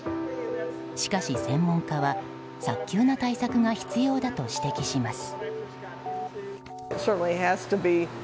しかし、専門家は早急な対策が必要だと指摘します。